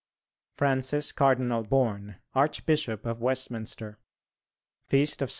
FRANCIS CARDINAL BOURNE, Archbishop of Westminster. FEAST OF ST.